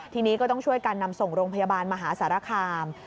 ทีนี้ก็ต้องช่วยกันนำส่งโรงพยาบาลมหาสารคาม